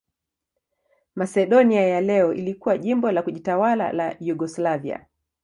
Masedonia ya leo ilikuwa jimbo la kujitawala la Yugoslavia.